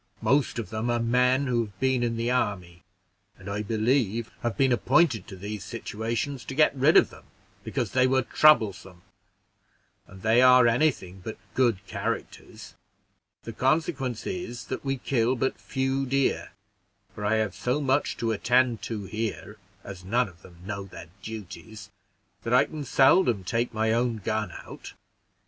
Most of them are men who have been in the army, and I believe have been appointed to these situations to get rid of them because they were troublesome; and they are any thing but good characters: the consequence is, that we kill but few deer, for I have so much to attend to here, as none of them know their duties, that I can seldom take my own gun out.